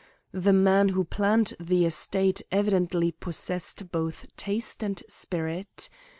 The man who planned the estate evidently possessed both taste and spirit.